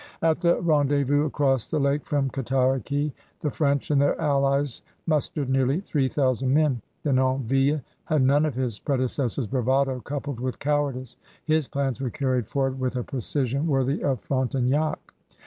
At the rendezvous across the lake from Cataraqui the French and their allies mustered nearly three thousand men. Denonville had none of his predecessor's bravado couple with cowardice; his plans were carried forward with a precision worthy of Frontenac.